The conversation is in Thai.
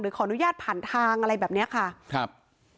ขออนุญาตผ่านทางอะไรแบบเนี้ยค่ะครับ